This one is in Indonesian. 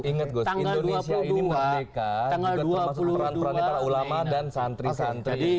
ingat gus indonesia ini merdeka juga termasuk peran perannya para ulama dan santri santri